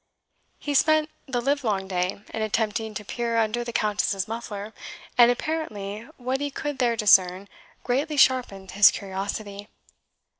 He spent the livelong day in attempting to peer under the Countess's muffler, and apparently what he could there discern greatly sharpened his curiosity.